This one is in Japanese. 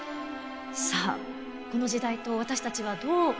さあこの時代と私たちはどう向き合えばいいのか。